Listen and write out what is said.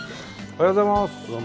おはようございます。